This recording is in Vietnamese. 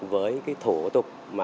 với thủ tục